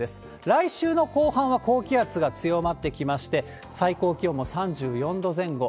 来週の後半は高気圧が強まってきまして、最高気温も３４度前後。